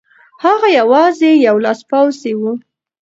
هغه یوازې یو لاسپوڅی و.